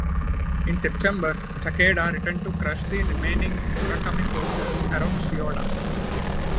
In September, Takeda returned to crush the remaining Murakami forces around Shioda.